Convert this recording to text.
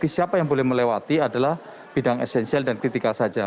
jadi siapa yang boleh melewati adalah bidang esensial dan kritikal saja